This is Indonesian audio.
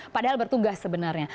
padahal bertugas sebenarnya